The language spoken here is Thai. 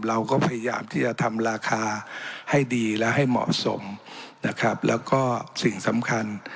เราก็พยายามที่จะทำราคาให้ดีและให้เหมาะสมนะครับแล้วก็สิ่งสำคัญ